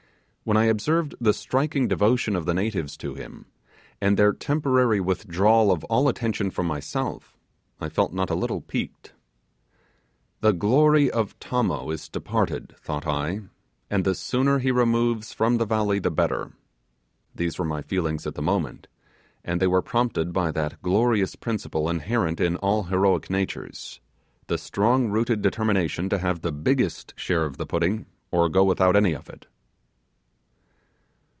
When I observed the striking devotion of the natives to him, and their temporary withdrawal of all attention from myself, I felt not a little piqued. The glory of Tommo is departed, thought I, and the sooner he removes from the valley the better. These were my feelings at the moment, and they were prompted by that glorious principle inherent in all heroic natures the strong rooted determination to have the biggest share of the pudding or to go without any of it.